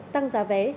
tăng giá vé